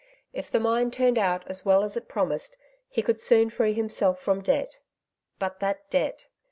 If the mine turned out as well as it promised he could soon free himself from debt ! But that debt